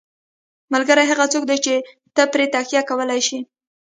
ملګری هغه څوک دی چې ته پرې تکیه کولی شې.